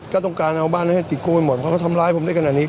ก็ต้องการเอาบ้านนั้นติดคุกไปหมดเพราะเขาทำร้ายผมได้ขนาดนี้